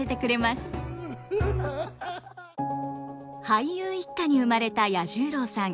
俳優一家に生まれた彌十郎さん。